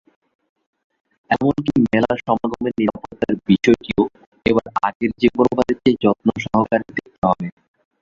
এমনকি মেলার জনসমাগমের নিরাপত্তার বিষয়টিও এবার আগের যেকোনোবারের চেয়ে যত্নসহকারে দেখতে হবে।